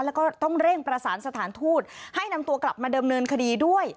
แล้วก็ต้องเร่งประสานสถานทูตให้นำตัวกลับมาเดิมเนินคดีด้วย